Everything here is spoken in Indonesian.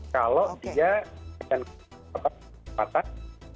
kalau dia akan kecepatan kita bisa menggandakan diri